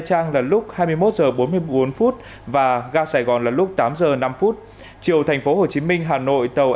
trang lúc hai mươi một giờ bốn mươi bốn phút và gà sài gòn là lúc tám giờ năm phút chiều thành phố hồ chí minh hà nội tàu